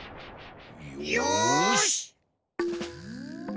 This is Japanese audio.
よし！